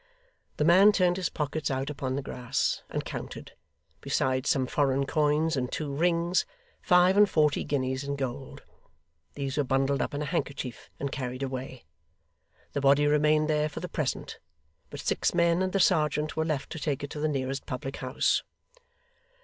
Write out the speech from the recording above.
The man turned his pockets out upon the grass, and counted, besides some foreign coins and two rings, five and forty guineas in gold. These were bundled up in a handkerchief and carried away; the body remained there for the present, but six men and the serjeant were left to take it to the nearest public house.